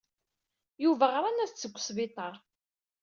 Yuba ɣran-as-d seg wesbiṭar.